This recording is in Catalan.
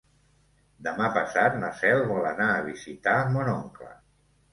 Demà passat na Cel vol anar a visitar mon oncle.